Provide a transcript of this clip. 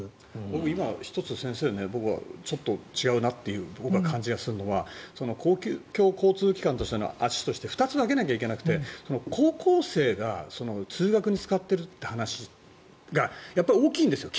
僕今、１つ先生違うなと感じるのは公共交通機関としての足として２つ分けなきゃいけなくて高校生が通学に使っているという話がやっぱり大きいんですよ。